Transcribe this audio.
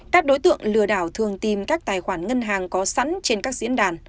các đối tượng lừa đảo thường tìm các tài khoản ngân hàng có sẵn trên các diễn đàn